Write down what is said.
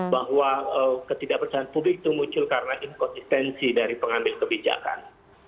bahwa ketidakpercayaan publik itu muncul karena inkonsistensi dari pengambil kebijakan